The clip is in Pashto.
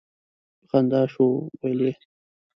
په خندا شو ویل یې.